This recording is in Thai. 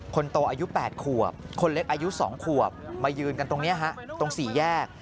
คนโตอายุ๘ขวบคนเล็กอายุ๒ขวบมายืนกันตรงนี้ฮะตรง๔แยก